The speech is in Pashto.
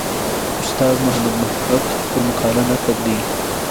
استاد محمد محق پر مقاله نقد دی.